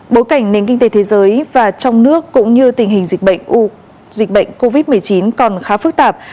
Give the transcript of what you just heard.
bối cảnh nền kinh tế thế giới và trong nước cũng như tình hình dịch bệnh covid một mươi chín còn khá phức tạp